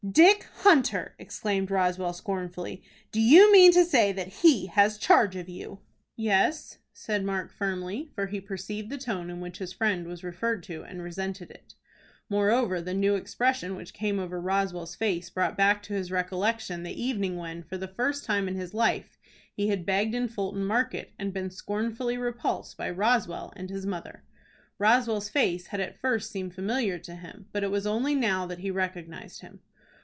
"Dick Hunter!" exclaimed Roswell, scornfully, "Do you mean to say that he has charge of you?" "Yes," said Mark, firmly, for he perceived the tone in which his friend was referred to, and resented it. Moreover the new expression which came over Roswell's face brought back to his recollection the evening when, for the first time in his life, he had begged in Fulton Market, and been scornfully repulsed by Roswell and his mother. Roswell's face had at first seemed familiar to him, but it was only now that he recognized him.